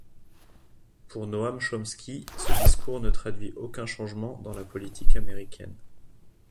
Pour Noam Chomsky, ce discours ne traduit aucun changement dans la politique américaine.